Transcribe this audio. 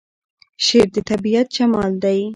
شعر د طبیعت جمال دی.